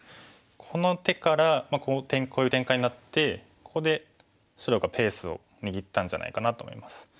この手からこういう展開になってここで白がペースを握ったんじゃないかなと思います。